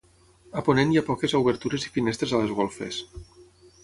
A ponent hi ha poques obertures i finestres a les golfes.